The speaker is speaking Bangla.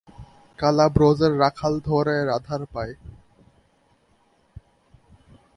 কালা ব্রজের রাখাল ধরে রাধার পায়।